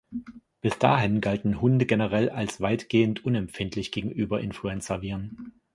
Bis dahin galten Hunde generell als weitgehend unempfindlich gegenüber Influenza-Viren.